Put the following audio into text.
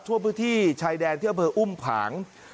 ทั่วพื้นที่ชายแดนที่อำเภออุ้มผาง